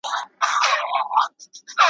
مینه د انسان در پکښي غواړم اورنۍ ,